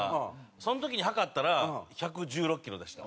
その時に量ったら１１６キロでした。